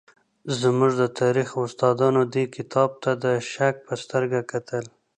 زموږ د تاریخ استادانو دې کتاب ته د شک په سترګه کتل.